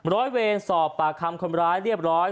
ร้อยเวรสอบปากคำคนร้ายเรียบร้อย